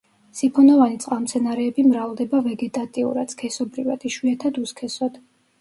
სიფონოვანი წყალმცენარეები მრავლდება ვეგეტატიურად, სქესობრივად, იშვიათად უსქესოდ.